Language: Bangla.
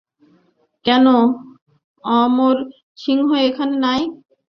কেন, অমরসিংহ এখানে নাই?